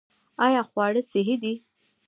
آیا خواړه صحي دي؟